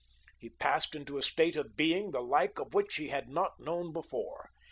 He passed into a state of being the like of which he had not known before.